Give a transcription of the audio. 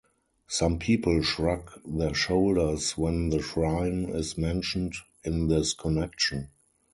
Some people shrug their shoulders when the shrine is mentioned in this connection.